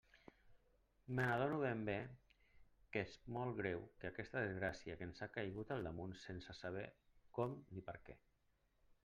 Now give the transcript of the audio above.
M'adone ben bé que és molt greu aquesta desgràcia que ens ha caigut al damunt sense saber com ni per què.